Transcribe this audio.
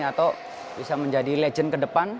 atau bisa menjadi legend ke depan